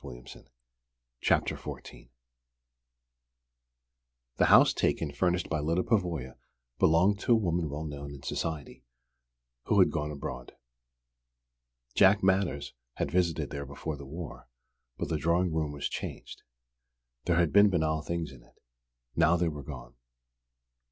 CHAPTER XIV SUPPER AT TWELVE The house taken furnished by Lyda Pavoya belonged to a woman well known in society, who had gone abroad. Jack Manners had visited there before the war; but the drawing room was changed. There had been banal things in it. Now they were gone.